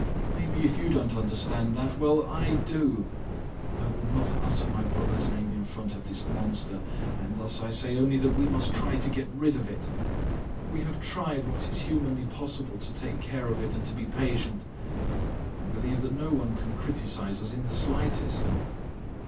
Maybe if you don't understand that, well, I do. I will not utter my brother's name in front of this monster, and thus I say only that we must try to get rid of it. We have tried what is humanly possible to take care of it and to be patient. I believe that no one can criticize us in the slightest."